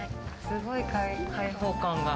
すごい開放感が。